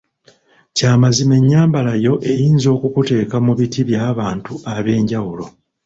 Kya mazima ennyambala yo eyinza okukuteeka mu biti bya bantu ab‘enjawulo.